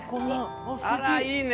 あらいいね。